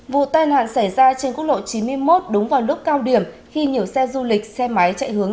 vụ tai nạn xảy ra trên quốc lộ chín mươi một đúng vào lúc cao điểm khi nhiều xe du lịch xe máy chạy hướng